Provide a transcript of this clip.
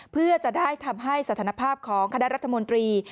เพื่อจะได้ทำให้สถานภาพของคณะรัฐมนตรี